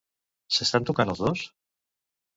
S'estan tocant els dos?